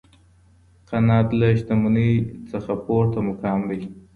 قناعت له شتمنۍ څخه پورته مقام دی.